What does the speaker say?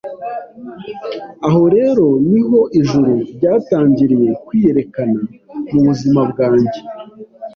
Aho rero ni ho Ijuru ryatangiriye kwiyerekana mu buzima bwanjye: